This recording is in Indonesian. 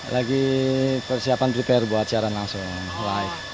lagi persiapan prepare buat siaran langsung live